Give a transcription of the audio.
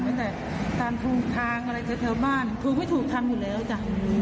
ตั้งแต่ตามถูกทางอะไรแถวบ้านถูกไม่ถูกทำอยู่แล้วจ้ะ